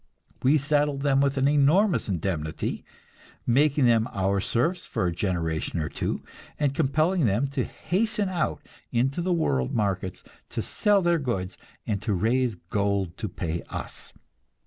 We saddled them with an enormous indemnity, making them our serfs for a generation or two, and compelling them to hasten out into the world markets, to sell their goods and raise gold to pay us.